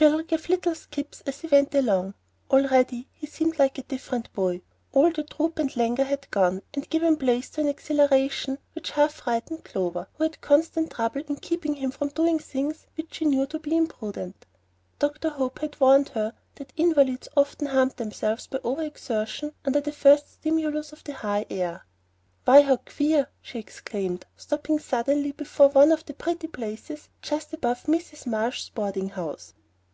Phil gave little skips as he went along. Already he seemed like a different boy. All the droop and languor had gone, and given place to an exhilaration which half frightened Clover, who had constant trouble in keeping him from doing things which she knew to be imprudent. Dr. Hope had warned her that invalids often harmed themselves by over exertion under the first stimulus of the high air. "Why, how queer!" she exclaimed, stopping suddenly before one of the pretty places just above Mrs. Marsh's boarding house.